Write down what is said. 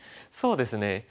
そうですね。